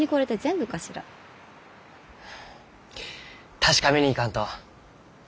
確かめに行かんと。